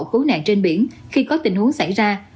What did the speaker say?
cứu nạn trên biển khi có tình huống xảy ra